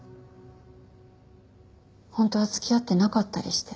本当は付き合ってなかったりして。